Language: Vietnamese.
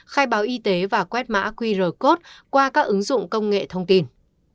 khai báo y tế và quét mã qr code qua các ứng dụng công nghệ thông tin